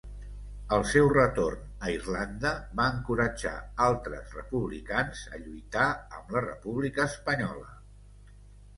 Al seu retorn a Irlanda, va encoratjar altres republicans a lluitar amb la República Espanyola.